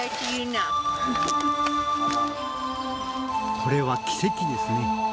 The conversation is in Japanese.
これは奇跡ですね。